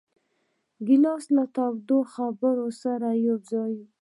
ګیلاس له تودو خبرو سره یوځای وي.